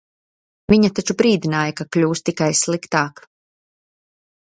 Viņa taču brīdināja, ka kļūs tikai sliktāk.